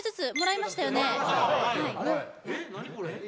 ・えっ何これ？